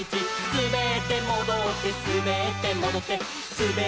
「すべってもどってすべってもどって」